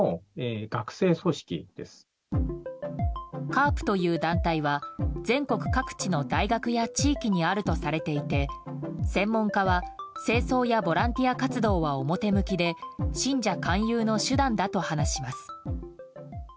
カープという団体は全国各地の大学や地域にあるとされていて専門家は、清掃やボランティア活動は表向きで信者勧誘の手段だと話します。